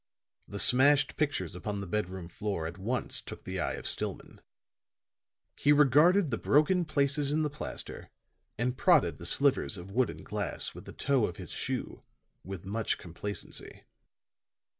The smashed pictures upon the bedroom floor at once took the eye of Stillman. He regarded the broken places in the plaster and prodded the slivers of wood and glass with the toe of his shoe with much complacency.